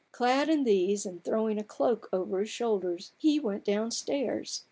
Clad in these, and throwing a cloak over his shoulders, he went downstairs.